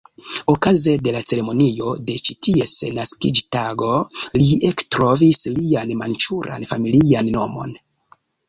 Okaze de la ceremonio de ĉi ties naskiĝtago, li ektrovis lian manĉuran familian nomon.